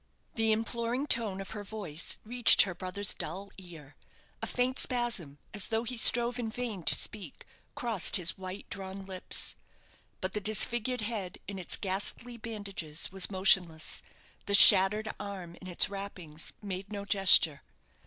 The imploring tone of her voice reached her brother's dull ear; a faint spasm, as though he strove in vain to speak, crossed his white drawn lips. But the disfigured head in its ghastly bandages was motionless; the shattered arm in its wrappings made no gesture.